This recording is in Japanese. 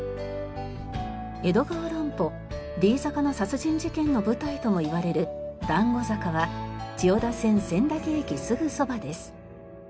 江戸川乱歩『Ｄ坂の殺人事件』の舞台ともいわれる団子坂は千代田線千駄木駅すぐそばです。